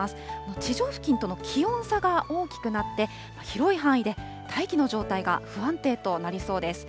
地上付近との気温差が大きくなって、広い範囲で大気の状態が不安定となりそうです。